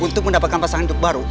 untuk mendapatkan pasangan hidup baru